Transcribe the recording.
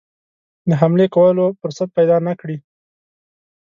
د حملې کولو فرصت پیدا نه کړي.